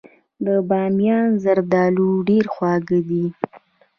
د بامیان زردالو ډیر خواږه دي.